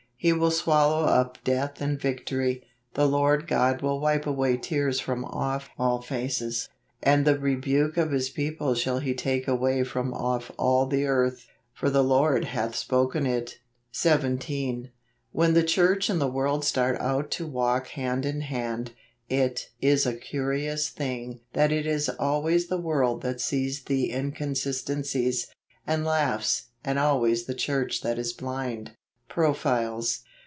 " He will swallow up death in victory; the Lord God will wipe away tears from off all faces ; and the rebuke of his people shall he take a way from off all the earth: for the Lord hath spoken it ." JULY. 79 17. When the church and the world start out to walk hand in hand, it is a curious thing that it is always the world that sees the inconsistencies, and laughs, and always the church that is blind. Profiles.